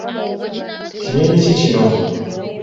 Kinyonyi ki kino?